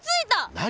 何？